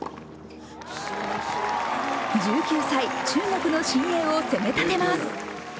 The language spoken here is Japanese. １９歳、中国の新鋭を攻めたてます。